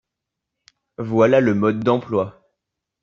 Voilà le mode d’emploi